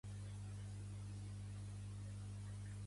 En les botes s'enfila l'Àngel per recitar el seu vers.